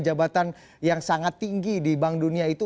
jabatan yang sangat tinggi di bank dunia itu